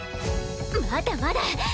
まだまだ。